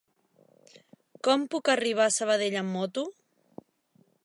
Com puc arribar a Sabadell amb moto?